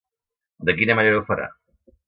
De quina manera ho farà?